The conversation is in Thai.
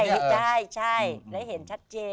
ไม่ใช่ใช่แล้วเห็นชัดเจน